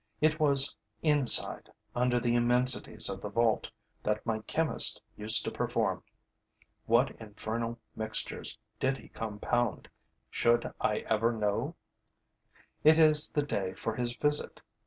It was inside, under the immensities of the vault, that my chemist used to perform. What infernal mixtures did he compound? Should I ever know? It is the day for his visit.